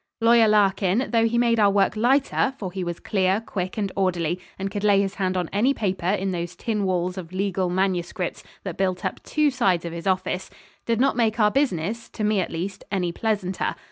Lawyer Larkin, though he made our work lighter for he was clear, quick, and orderly, and could lay his hand on any paper in those tin walls of legal manuscripts that built up two sides of his office did not make our business, to me at least, any pleasanter.